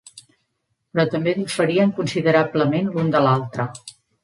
Però també diferien considerablement l'un de l'altre.